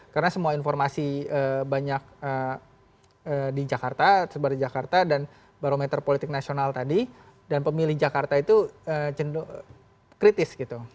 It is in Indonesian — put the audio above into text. karena semua informasi banyak di jakarta terbaru di jakarta dan barometer politik nasional tadi dan pemilih jakarta itu jenduk kritis gitu